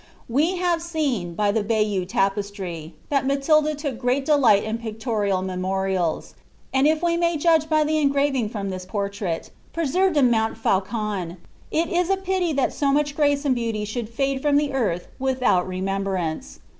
We have seen, by the Bayeux tapestry, that Matilda took great delight in pictorial memorials; and if we may judge by the engraving from this portrait, preserved in Moat fiuGon, it were a pity that so much grace and beauty should fade from the earth without remembrance.